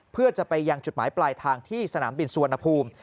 เพื่อจะไปยังจุดหมายปลายทางที่สนามบินสุวรรณภูมิ